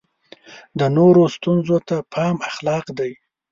د نورو ستونزو ته پام اخلاق دی.